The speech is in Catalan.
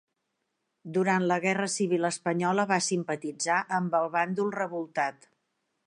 Durant la Guerra Civil Espanyola va simpatitzar amb el bàndol revoltat.